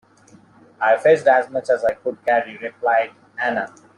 "I fetched as much as I could carry," replied Anna.